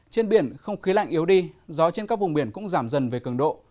trên biển không khí lạnh yếu đi gió trên các vùng biển cũng giảm dần về cường độ